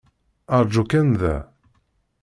Aṛǧu kan da.